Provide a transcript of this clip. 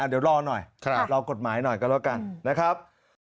เดี๋ยวรอหน่อยรอกฎหมายหน่อยก็แล้วกันนะครับ